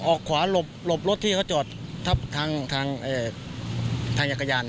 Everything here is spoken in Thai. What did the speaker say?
ออกขวาหลบรถที่เขาจอดทับทางจักรยาน